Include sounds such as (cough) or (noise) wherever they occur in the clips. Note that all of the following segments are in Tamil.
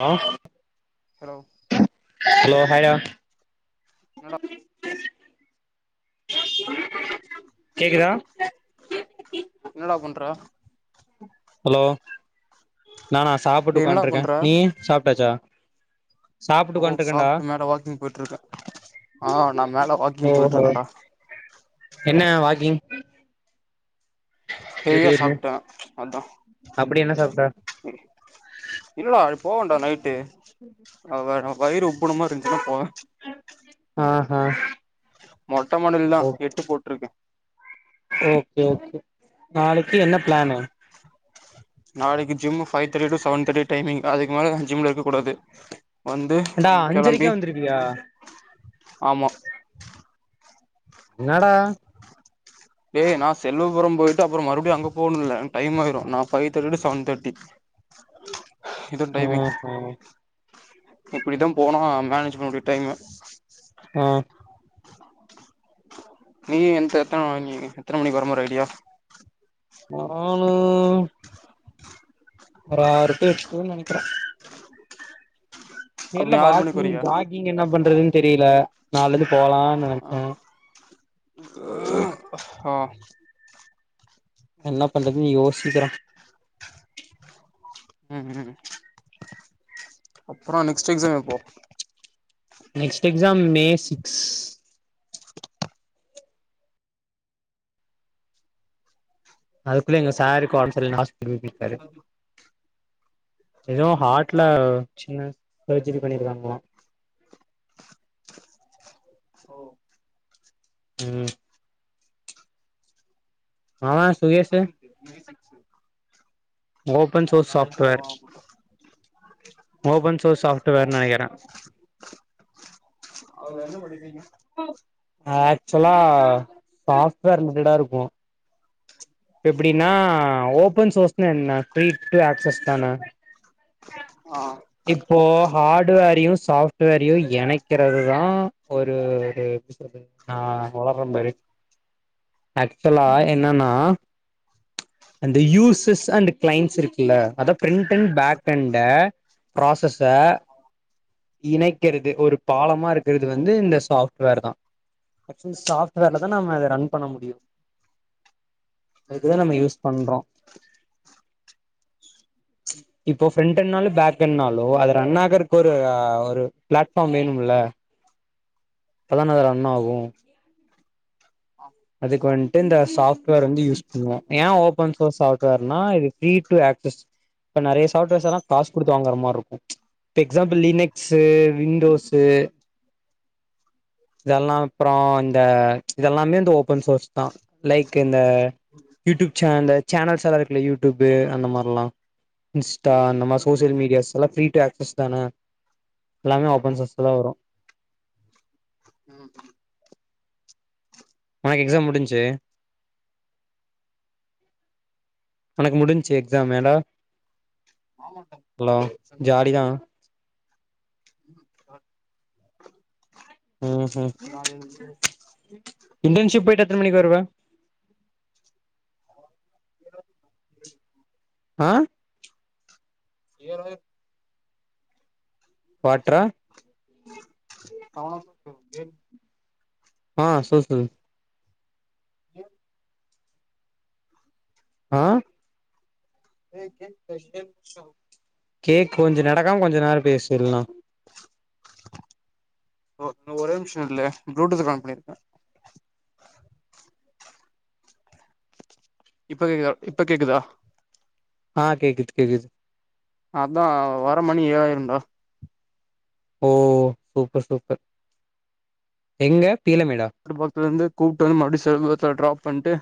ஆ ஹலோ ஹலோ ஹாய்டா என்னடா கேக்குதா என்னடா பண்ற ஹலோ நானா சாப்புட்டு டேய் என்னடா உக்காண்ட்ருக்கே பண்ற நீயி சாப்டாச்சா அ ஓ சாப்ட்டு மேல வாக்கிங் போய்ட்ருக்க ஆ நா மேல வாக்கிங் ஓஹோ போய்ட்ருக்கன்டா என்ன வாக்கிங் ஹெவியா திடீர்னு சாப்ட்ட அதா அப்டி என்ன சாப்ட இல்லடா எப் போவன்டா நைட்டு அவ வயிறு உப்புன மாரி இருந்துச்சுனா போவ அ ஹ மொட்ட மாடில தா எட்டு போட்டுருக்கே ஓகே ஓகே நாளைக்கு என்ன பிளானு நாளைக்கு gym five thirty to seven thirty timing அதுக்கு மேல ஜிம்ல இருக்ககூடாது வந்து ஏன்டா கெளம்பி அஞ்சரைக்கே வந்துருவியா ஆமா என்னடா டேய் நா செல்வபுரம் போயிட்டு அப்றோ மறுபடியு அங்க போனும்ல டைம் ஆயிரும் நா ஃபைவ் தேட்டி டூ செவன் தேட்டி இதோ டைமிங் ஆஹா இப்படிதா போனா மேனேஜ் பண்ண முடியு டைம அ நீ என்த எத்தன மணி எத்தன மணிக்கு வர மாரி ஐடியா (unintelligible) ஒரு ஆறு டூ எட்டுனு நெனைக்குற அப்ப தெரில நீ ஆறு மணிக்கு வாகிங் வரியா ஜாகிங் என்ன பண்றதுனு தெரியல நாளைல இருந்து போலானு நெனைச்சே அ என்ன பண்றதுனு யோசிக்குறோ ம் ம் அப்றோ நெக்ஸ்ட் எக்ஸாம் எப்போ நெக்ஸ்ட் எக்ஸாம் மே சிக்ஸ் அதுக்குள்ள எங்க சாருக்கு ஒடம்ப சரில்லனு ஹாஸ்பெட்டல் போயிடாரு எதோ ஆ ஹாட்டுல சின்ன சர்ஜரி பண்ணிருக்காங்களா ஓ ம் ஆமா என்ன சுகேஷு சப்ஜெக்ட் (unintelligible) ஓபன் அவுக சோர்ஸ் நாளைக்கு வருவாங்க போல மோபன் சோ சாஃப்டுவேர்னு நெனைக்குற அவங்க என்ன படிப்பீங்க ஆக்சுலா சாப்ட்வேர் ரிலேடா இருக்கு எப்டினா ஓபன் சோர்ஸ்னா என்ன ப்ரீ டூ ஆக்சஸ் தான ஆ இப்போ ஹார்டுவேரயு சாஃப்டுவேரயு எனைக்குறதுதா ஒரு ஒரு எப்டி சொல்றது நா ஓளற பாரு ஆக்சுலாய் என்னன்னா அந்த யூசஸ் அண்டு கிளைண்ஸ் இருக் ல்ல அத பிரிண்டு அண்டு பேக்கண்ட ப்ராசஸ்ச இணைக்கிறது ஒரு பாலமா இருக்கிறது வந்து இந்த சாஃப்ட்வேர் தா ஆக்சுவளி சாஃப்ட்வேர்ல தா நம்ப இத ரன் பண்ண முடியு ம் அதுக்குதா நம்பயூஸ் பண்றோ இப்போ பிரண்டுன்னாலு பேக் கேண்னாலு அது ரன் ஆகுறக்கொரு ஒரு அ ஒரு பிளாட்ஃபார்ம் வேணும்ல அப்பதான அது ரன் ஆகும் அ அதுக்கு வந்துட்டு இந்த சாப்ட்வேர் வந்து யூஸ் பண்ணுவோம் ஏன் ஓபன் சோர்ஸ் சாஃப்ட்வேர்னா இது ஃப்ரீ டு ஆக்சஸ் இப்ப நிறைய சாஃப்ட்வேர்ஸ் எல்லாம் காசு கொடுத்து வாங்கற மாரி இருக்கும் எக்ஸாம்பிள் லினெக்ஸு விண்டோஸு இதெல்லா அப்பறோ இந்த இதெல்லாமே இந்த ஓ ஃபன் சோர்ஸ் தா லைக் இந்த யூட்டூப் சே அந்த சேனல்ஸ் எல்லா இருக்குல யூட்டூப்பு அந்த மார்ல்லா தா அந்த மார் ம் சோசியல் மீடியாஸ் எல்லா ஃப்ரீ டூ ஆக்சஸ் தானே எல்லாமே ஓபன் சோர்ஸ்சஸ் தா வரு ம் ம் உனக் எக்ஸாம் முடிஞ்ச்சு உனக் முடிஞ்சு எக்ஸாம் ஏண்டா அலோ ஜாலி தா உம் ம் ம் இன்ட்டர்ன்ஷிப் போயிட்டு எத்தன மணிக்கு வருவ பேரு ஆ ஏழு வாட்ரா கவல (inaudible) ஆ சொல் சொல் ஏஹ ஆ (unintelligible) கேக் கொஞ்ச நடக்காம கொஞ்ச நேரோ பேசு இல்ன்னா ஒ ஒரே நிம்ஷோ நில்லு ப்ளூடூத் கனெக்ட் பண்ணி இருக்கே இப்ப கேக்தா இப்ப கேட்குதா ஆ கேக்குது கேக்குது அதா வர மணி ஏழாயிருன்டா ஓ சூப்பர் சூப்பர் எங்க பீளமேடா பக்கத்துல இருந்து கூப்ட்டு வந் மறுபடி செல்வத்த ட்ராப் பண்ட்டு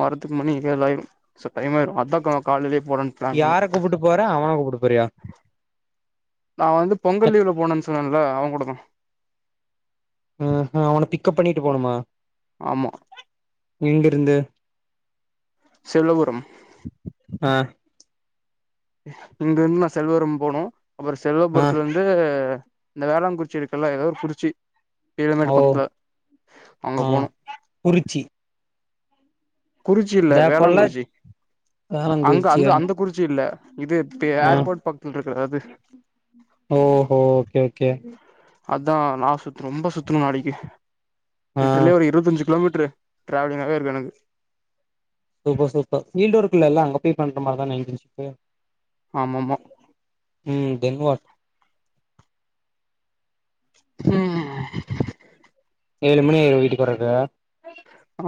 வர்ரத்துக்கு மணி ஏழு ஆயிரு சொ டைம் ஆய்ரு அதா கா காலைலியே போடான் யார கூப்புட்டு போற அவன கூப்புட்டு போறியா நா வந்து பொங்கல் லீவ்ல போனேன் சொன்னேன்ல அவ கூட தா ம் ம் அவன பிக்கப் பண்ணிட்டு போணுமா ஆமா எங்க இருந்து செல்வபுரம் ஆ இங்க இருந் நா செல்வபுரம் போன்னு அப்புற ஆ செல்வபுரத்துல ந்து இந்த வேளாங்குறிச்சி இருக்குல்ல எதோவொரு குறிச்சி ஓ பீளமேடு பக்கத்துல அங்க ஆ போனு குறிச்சி குறிச்சி இல்ல இந்த பொள்ள வேளாங்குறிச்சி அங்க அந்த ஆலங்குறிச்சியா அந்த குறிச்சி இல்ல இது ஆ ஏர்போர்ட் பக்கத்துல இருக்க அது ஓஹோ ஓகே ஓகே அதா நா சுத்தனு ரொம்ப சுத்தனு நாளைக்கி ஆ லிற்றல்லி ஒரு இருவத்தஞ்சு கிலோமீட்ரு ட்ராவலிங்காவே இருக்குது எனக்கு சூப்பர் சூப்பர் ஃபீல்ட் ஒர்க்கு இல்லல்ல அங்க போய் பண்ற மாரிதான இருந்ச்சு ஆமமா ம் தென் வாட் ம் ஏழு மணி ஆயிரு வீட்டுக்கு வரக்கு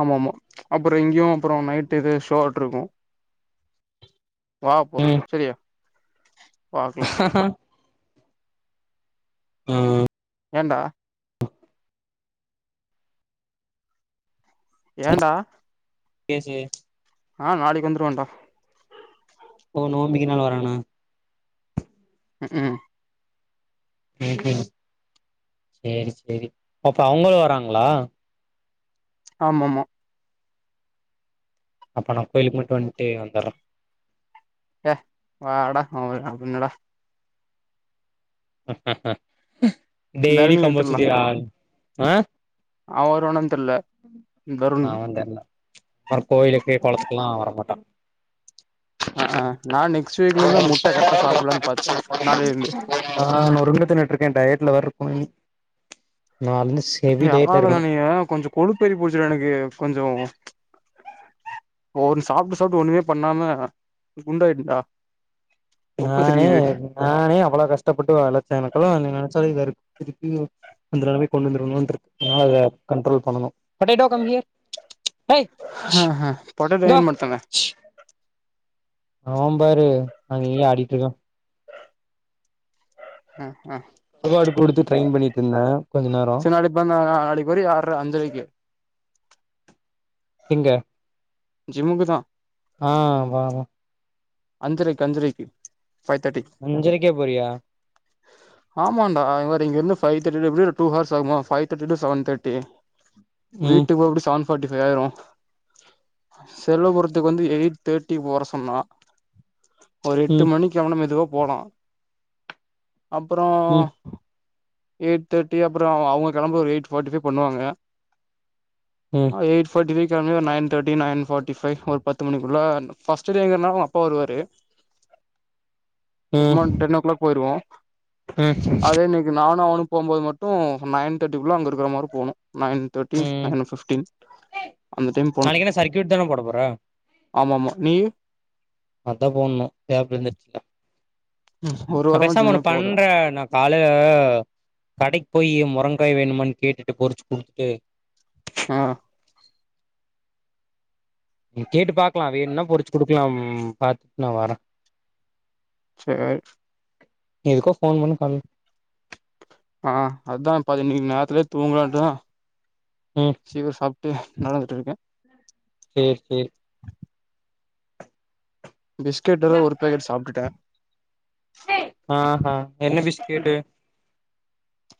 ஆமா ஆமா அப்றோ இங்கேயு அப்றோ நைட் இது ஷோட் இருக்கு (inaudible) வா அப்போ சரியா பாக்லா ம் ம் ஏன்டா ஏன்டா பேசு ஆ நாளைக்கு வந்துருவண்டா ஓ நோம்பிக்க நாள் வரானா ம் ம் ம் ம் செரி செரி அப்ப அவங்களு வராங்களா ஆமா ஆமா அப்ப நா கோயிலுக்கு மட்டு வந்திட்டு வந்துற ஏ வாடா அவ (unintelligible) என்னடா டெய்லி தரணி எடுத்துடலா கம்பல்சரியா அவ வருவானானு தெர்ல தருண் தெர்ல அவன் கோயிலுக்கு கொளத்துக்கெல்லா வர மாட்டா ஆ ஆ நா நெக்ஸ்ட் வீக்ல இருந்து முட்ட கரெக்டா சாப்லான்னு பாத்தே நாளைல இருந்து ஆ நா நொருங்கூ தின்னுட்டு இருக்கே டயட்ல வேற இருக்கனு இனி நாளைல இருந்து நீ (unintelligible) எதான நீங்க கொஞ்சோ கொழுப்பேறி போச்சுடா எனக்கு கொஞ்சோ ஒ சாப்ட்டு சாப்ட்டு ஒண்ணுமே பண்ணாம குண்டாய்டேண்டா நானே நானே அவ்வளோ கஷ்டப்பட்டு வளர்த்தே எனக்கு எல்லா உன்ன நினைச்சாவே இதா இருக்கு திருப்பியு அந்த நிலமைக்கு கொண்டு வந்துருவேனோன்டு இருக்கு அதனால இத கன்ட்ரோல் பண்ணணு ஆ ஆ போடேட்டோ இங்க ஏ வா மத்தானே அவ பாரு அங்க இங்க ஆடிட்டு இருக்கா ஆ ஆ கருவாடு கொடுத்து ட்ரெயின் பண்ணிட்டு இருந்தே கொஞ்ச நேரோ சரி நாளைக்கு பொறந்த நாளா நாளைக்கு வரியா ஆற அஞ்சரைக்கு இங்க ஜிம்முக்கு தா ஆ வா வா அஞ்சரைக்கு அஞ்சரைக்கு ஃபைவ் தேர்ட்டி அஞ்சரைக்கே போறியா ஆமான்டா இவரு இங்கிருந்து ஃபை தேர்டி எப்டியு ஒரு டூ ஹவர்ஸ் ஆகுமா five thirty to seven thirty ம் வீட்டுக்கு போ எப்டி சவென் பார்ட்டி ஃபைவ் ஆயிரு செல்லபுரத்துக்கு வந்து எயிட் தேர்ட்டிகு வர சொன்னா ஒரு எட்டு ம் மணிக்கு அவன மெதுவா போலா அப்பறோ ம் எய்ட் தேர்டி அப்பறோ அவங்க கிளம்ப ஒரு எயிட் ஃபர்ட்டி ஃபை பண்ணுவாங்க ம் ஆ எயிட் பார்ட்டி ஃபைகு கிளம்பி ஒரு nine thirty nine forty five ஒரு பத்து மணிக்கு குள்ள ஃபஸ்ட் டே எங்கிறனாலு அப்பா வருவாரு எட் ம் மா ம் ம் டென் ஓ கிளாக் போயிருவோ அதே இன்னைக்கு நானு அவனு போபோது மட்டு நைன் தேர்ட்டிக்குள்ள அங்க இருக்கிற மாரி போணு nine thirteen nine fifteen time போனு நாளைக்கு என்ன சர்க்யூட் தான போட போற ஆமா ஆமா நீ அதா போடணு கேப் ஒரு நா வாரமா பேசாம ஜிம்மே ஒண்ணு போல பண்ற நா காலேய கடெக் போயி மொரங்காய் வேணுமானு கேட்டுட்டு பொருச்சு குடுத்துட்டு ஆ கேட்டு பாக்கலா வேணுனா பொருச்சு குடுக்கலாம் பாத்துட் நா வரே செரி ஓகே எதுக்கோ ஃபோன் பண்ணு பண்ணு ஆ அதா பாரு இன்னெக்கி நேரத்லயே தூங்கலான்தா ம் சீக்ரோ சாப்ட்டு நடந்துட்டுருக்கே சேரி சேரி பிஸ்கெட் வேற ஒரு பேக்கெட் சாப்ட்டுட்டே ஆ ஆ என்ன பிஸ்கேட்டு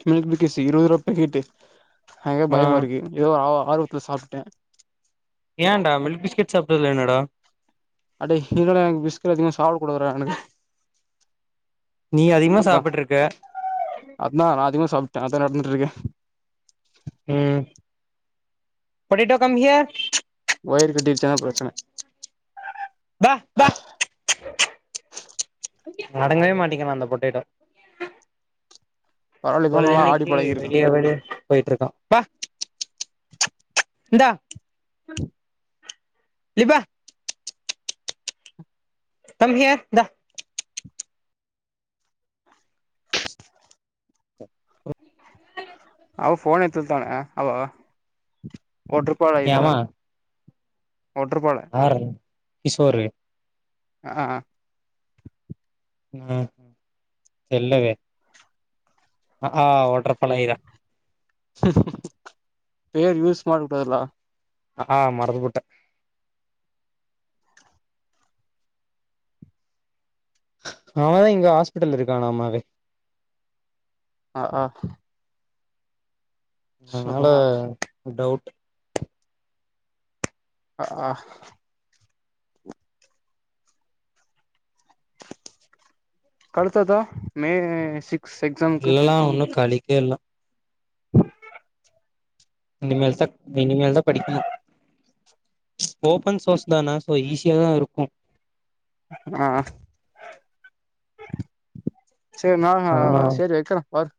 மில்க் பிக்கிசு இருவர்ருவா பேக்கெட்டு அதா ஆ பயமாருக்கு எதோ ஆ ஆர்வத்ல சாப்ட்டே ஏன்டா மில்க் பிஸ்கெட் சாப்ட்ததுல என்னடா அட இல்லடா எனக்கு பிஸ்கட் எதுமே சாப்ட கூடாதுடா எனக்கு நீ அதிகமா அதா சாப்பிட்ருயிருக்கே அதா நா அதிகமா சாப்டே அதா நடந்துட்ருக்கே ம் பொடிட்டோ கம் ஹியர் வய்று கட்டிருச்சுனா பெரச்சன மடங்கவே மாட்டிக்கெனா அந்த பொட்டேட்டோ பரவால்ல இப்பதா நல்லா ஆடி பொழுதென்னெக்கி பழகிருக்கா வெளிய வெளிய போய்ட்டுருக்கான் இன்தா இப்பா கம்ஹியர் இந்தா (inaudible) அவ ஃபோன எத்து தான அவோ போட்ருப்பாலய்த ஏம்மா போட்ருப்பால ஆரவு கிஷோரு ஆ ஆ செல்லவே அஆ ஓட்ர பழ இதா சிஸ் பேர் யூஸ் மாடு பல்லா அஆ மறந்துபுட்ட அவனே இங்க ஹாஸ்பிட்டல இருக்கானாமாவே ஆ ஆ அதனால சபா டவுட் அ ஆ அடுத்ததா மே சிக் இல்லெல்லா ஒன்னு கழிக்க இல்ல (inaudible) இனிமேல்தக் இனிமேல்தா படிக்கெணு ஓபன் சோர்ஸ் தான சோ ஈஸியா தா இருக்கு அ ஆ சேரி நா அ அதனால சேரி வெக்கெற ஆட்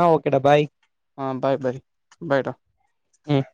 ஆ ஓகேடா பாய் ஆ பாய் பாய் பாய்டா ம்